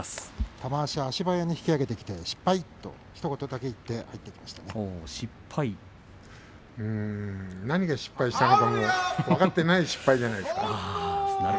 玉鷲、足早に引き揚げてきて失敗、とひと言だけ言いま何が失敗したか、もう分かっていないんじゃないですか。